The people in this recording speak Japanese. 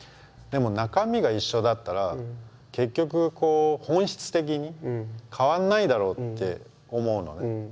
でも中身が一緒だったら結局こう本質的に変わんないだろうって思うのね。